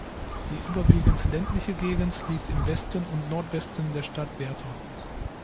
Die überwiegend ländliche Gegend liegt im Westen und Nordwesten der Stadt Werther.